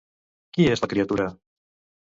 Qui és la criatura?